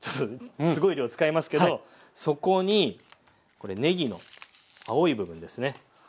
すごい量使いますけどそこにねぎの青い部分ですね。